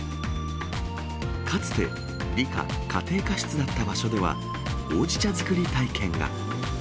かつて理科・家庭科室だった場所では、ほうじ茶作り体験が。